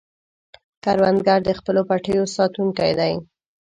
کروندګر د خپلو پټیو ساتونکی دی